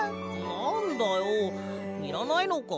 なんだよいらないのか？